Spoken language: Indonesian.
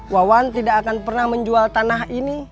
wawan tidak akan pernah menjual tanah ini